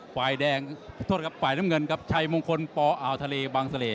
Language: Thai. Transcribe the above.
ฝ่ายแดงปล่อยต้องกับฝ่ายน้ำเงินครับชัยมงคลปอ่าวทะเลบังสะเล